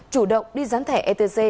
chủ động đi dán thẻ etc